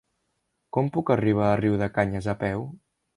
Com puc arribar a Riudecanyes a peu?